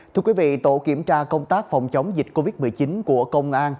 thưa quý vị tổ kiểm tra công tác phòng chống dịch covid một mươi chín của công an